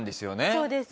そうです